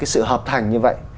sự hợp thành như vậy